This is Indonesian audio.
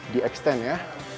di extend ya